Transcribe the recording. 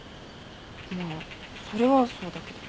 まあそれはそうだけど。